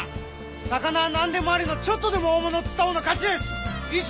魚は何でもありのちょっとでも大物を釣ったほうの勝ちです！